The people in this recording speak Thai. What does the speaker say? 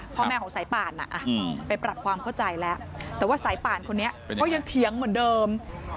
พ่อแม่ของสายป่านไปปรับความเข้าใจแล้วแต่ว่าสายป่านคนนี้ก็ยังเถียงเหมือนเดิม